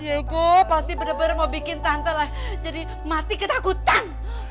diego pasti benar benar mau bikin tante lah jadi mati ketakutan